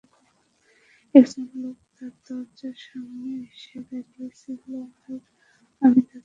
একজন লোক তার দরজার সামনে এসে দাঁড়িয়েছিলো, আর আমি তাকে গুলি করে বসি।